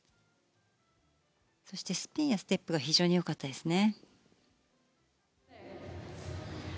そしてスピンやステップが非常に良かったですね。